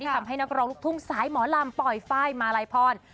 ทำให้นักร้องลูกทุ่งสายหมอลำปล่อยไฟล์มาลัยพร